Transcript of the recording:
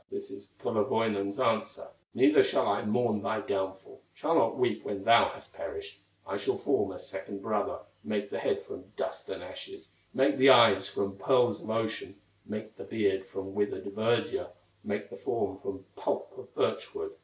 This is Kullerwoinen's answer: "Neither shall I mourn thy downfall, Shall not weep when thou hast perished; I shall form a second brother, Make the head from dust and ashes, Make the eyes from pearls of ocean, Make the beard from withered verdure, Make the form from pulp of birch wood."